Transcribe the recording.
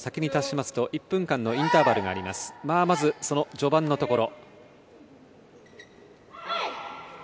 まず、その序盤のところ。